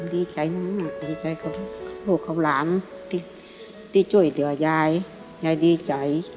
ดีใจมากดีใจของลูกกับหลานที่ช่วยเหลือยายยายดีใจ